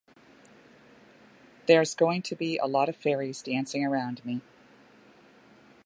There's going to be a lot of fairies dancing around me.